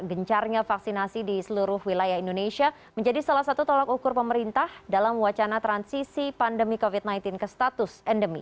gencarnya vaksinasi di seluruh wilayah indonesia menjadi salah satu tolak ukur pemerintah dalam wacana transisi pandemi covid sembilan belas ke status endemi